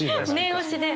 念押しで。